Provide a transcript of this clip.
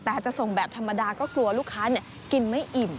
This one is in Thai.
แต่จะส่งแบบธรรมดาก็กลัวลูกค้ากินไม่อิ่ม